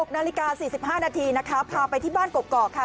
๖นาฬิกา๔๕นาทีพาไปที่บ้านเกาะค่ะ